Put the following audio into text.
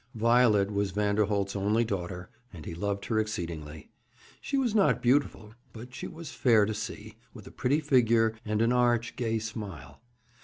Violet was Vanderholt's only daughter, and he loved her exceedingly. She was not beautiful, but she was fair to see, with a pretty figure, and an arch, gay smile.